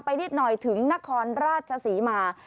นิดหน่อยถึงนครราชศรีมา